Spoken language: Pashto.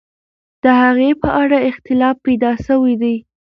د هغې په اړه اختلاف پیدا سوی دی.